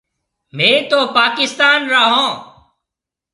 مهيَ تو پاڪستان را هون۔